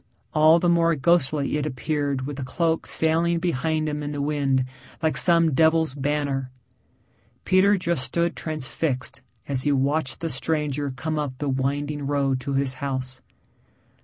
All the more ghostly it appeared with the cloak sailing behind him in the wind like some devil's banner. Peter just stood transfixed as he watched the stranger come up the winding road to his house.